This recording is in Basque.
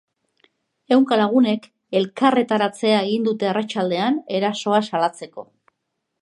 Ehunka lagunek elkarretaratzea egin dute arratsaldean, erasoa salatzeko.